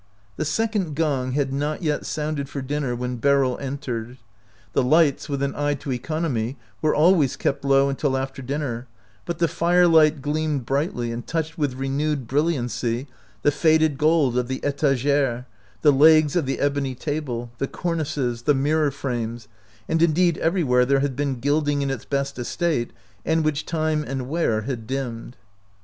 The second gong had not yet sounded for dinner when Beryl entered. The lights, with an eye to economy, were always kept low until after dinner, but the firelight gleamed brightly and touched with renewed brilliancy the faded gold of the etagere, the legs of the ebony table, the cornices, the mirror frames, and indeed everywhere there had been gilding in its best estate, and which time and wear had dimmed.